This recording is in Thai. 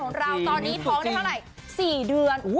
ของเราตอนนี้เท้าไหน๔เดือน